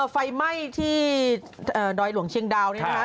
ไฟไหม้ที่ดอยหลวงเชียงดาวนี่นะคะ